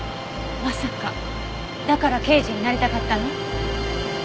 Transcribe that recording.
まさかだから刑事になりたかったの？